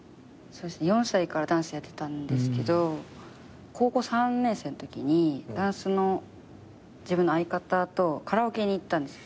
４歳からダンスやってたんですけど高校３年生のときにダンスの自分の相方とカラオケに行ったんですよ。